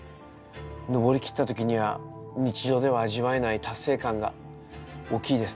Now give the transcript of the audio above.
登りきった時には日常では味わえない達成感が大きいですね。